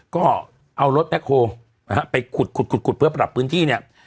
ก็เอารถแม่โครไปขุดเพื่อประดับพื้นที่เนี่ย